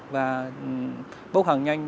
và bốc hàng nhanh